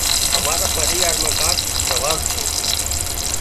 امار پريوار مان ڪانڪ رواز سي